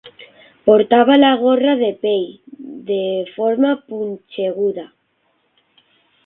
Portava la gorra de pell, de forma punxeguda